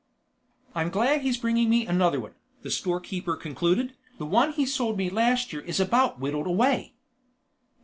"I'm glad he's bringing me another one," the storekeeper concluded, "the one he sold me last year is about whittled away."